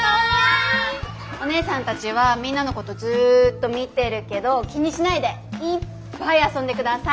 おねえさんたちはみんなのことずっと見てるけど気にしないでいっぱい遊んで下さい。